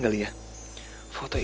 kalau dia bener